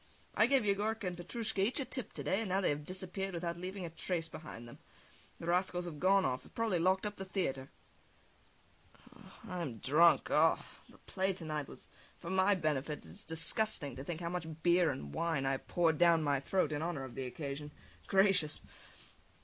I gave Yegorka and Petrushka each a tip to day, and now they have disappeared without leaving a trace behind them. The rascals have gone off and have probably locked up the theatre. [Turns his head about] I'm drunk! Ugh! The play to night was for my benefit, and it is disgusting to think how much beer and wine I have poured down my throat in honour of the occasion. Gracious!